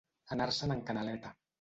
Anar-se'n en canaleta.